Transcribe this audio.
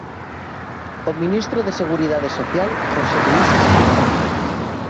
O ministro de Seguridade Social, José Luis Escrivá.